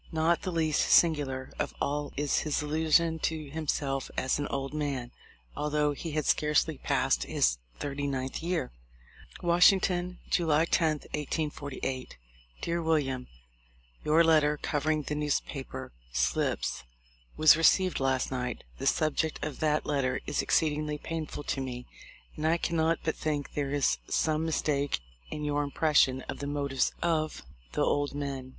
Not the least singular of all is his illusion to himself as an old man, although he had scarcely passed his thirty ninth year. "Washington, July 10, 1848. "Dear William : "Your letter covering the newspaper slips was received last night. The subject of that letter is exceedingly painful to me, and I can not but think there is some mistake in your im pression of the motives of the old men.